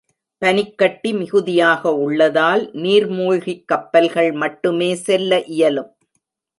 பனிக் கட்டி மிகுதியாக உள்ளதால் நீர்மூழ்கிக் கப்பல்கள் மட்டுமே செல்ல இயலும்.